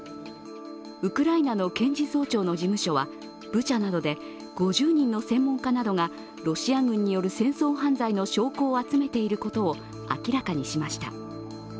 ウクライナの検事総長の事務所はブチャなどで５０人の専門家などがロシア軍による戦争犯罪の証拠を集めていることを明らかにしました。